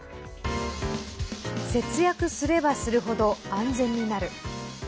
節約すればするほど安全になる。